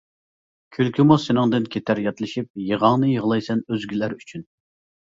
كۈلكىمۇ سېنىڭدىن كېتەر ياتلىشىپ، يىغاڭنى يىغلايسەن ئۆزگىلەر ئۈچۈن.